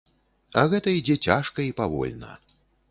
А гэта ідзе цяжка і павольна.